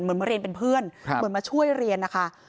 เหมือนมาเรียนเป็นเพื่อนเหมือนมาช่วยเรียนนะคะ